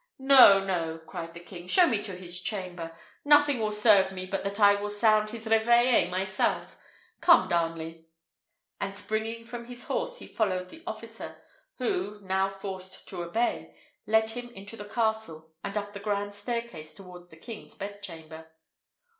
"No, no," cried the king; "show me his chamber. Nothing will serve me but that I will sound his réveillez myself. Come, Darnley!" and springing from his horse he followed the officer, who, now forced to obey, led him into the castle, and up the grand staircase towards the king's bed chamber.